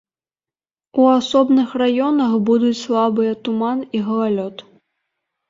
У асобных раёнах будуць слабыя туман і галалёд.